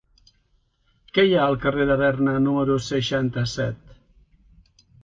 Què hi ha al carrer de Berna número seixanta-set?